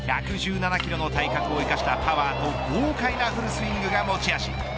１１７キロの体格を生かしたパワーと豪快なフルスイングが持ち味。